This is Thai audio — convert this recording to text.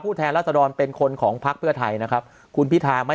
แทนรัศดรเป็นคนของพักเพื่อไทยนะครับคุณพิธาไม่